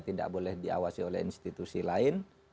tidak boleh diawasi oleh institusi lain